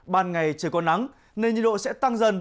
ban ngày trời còn nắng nền nhiệt độ sẽ tăng dần